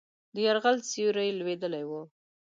د یرغل سیوری لوېدلی وو.